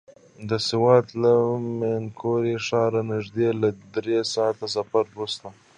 د سوات له مينګورې ښاره نژدې له دری ساعته سفر وروسته.